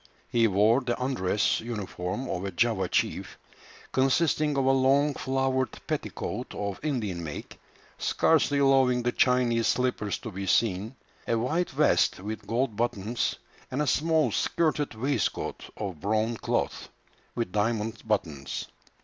He wore the undress uniform of a Java chief, consisting of a long flowered petticoat of Indian make, scarcely allowing the Chinese slippers to be seen, a white vest with gold buttons, and a small skirted waistcoat of brown cloth, with diamond buttons.